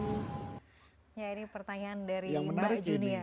ini pertanyaan dari mbak junia